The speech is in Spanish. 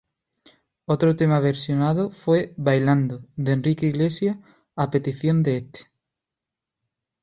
Otro tema versionado fue "Bailando" de Enrique Iglesias a petición de este.